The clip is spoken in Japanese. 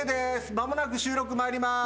間もなく収録参ります。